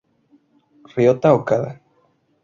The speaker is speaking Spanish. Ryota Okada